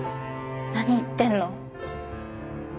何言ってんの？